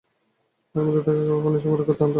এর মধ্যেই তাঁকে খাওয়ার পানি সংগ্রহ করে আনতে হয়।